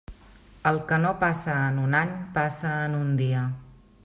El que no passa en un any passa en un dia.